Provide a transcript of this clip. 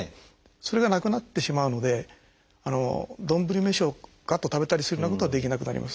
それがなくなってしまうので丼飯をがっと食べたりするようなことはできなくなります。